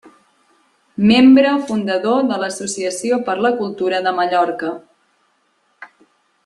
Membre fundador de l'Associació per la Cultura de Mallorca.